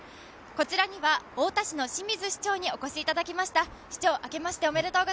こちらには太田市の清水市長にお越しいただきました。